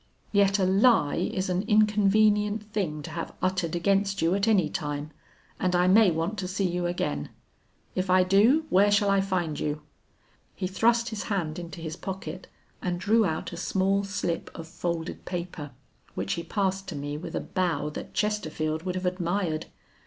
Yet a lie is an inconvenient thing to have uttered against you at any time, and I may want to see you again; if I do, where shall I find you?' He thrust his hand into his pocket and drew out a small slip of folded paper, which he passed to me with a bow that Chesterfield would have admired.